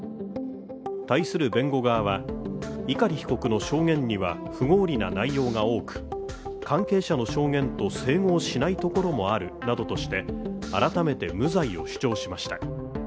対する弁護側は、碇被告の証言には不合理な内容が多く、関係者の証言と整合しないところもあるなどとして改めて無罪を主張しました。